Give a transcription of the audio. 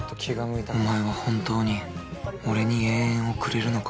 お前は本当に俺に永遠をくれるのか？